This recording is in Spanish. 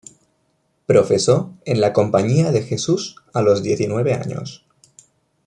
Profesó en la Compañía de Jesús a los diecinueve años.